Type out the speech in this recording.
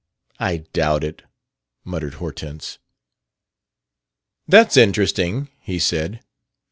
"I doubt it," muttered Hortense. "'That's interesting,' he said.